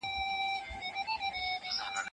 څوک په خپلو مټو د یو روښانه ژوند بنسټ ایښودلای سي؟